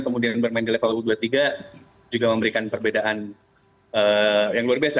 kemudian bermain di level u dua puluh tiga juga memberikan perbedaan yang luar biasa